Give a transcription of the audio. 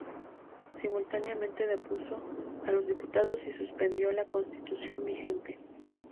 Simultáneamente depuso a los diputados y suspendió la constitución vigente.